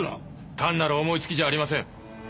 単なる思いつきじゃありません！